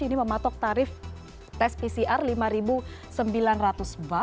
ini mematok tarif tes pcr lima sembilan ratus